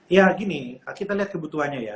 ya gini kita lihat kebutuhannya ya